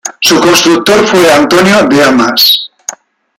Su constructor fue Antonio de Amas.